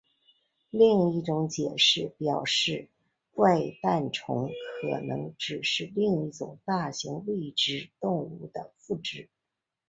另一种解释表示怪诞虫可能只是另一种大型未知动物的附肢。